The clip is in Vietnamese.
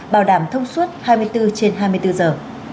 bảo đảm thông suốt hai mươi bốn trên hai mươi bốn giờ